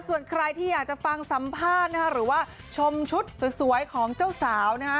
ส่วนใครที่อยากจะฟังสัมภาษณ์นะคะหรือว่าชมชุดสวยของเจ้าสาวนะฮะ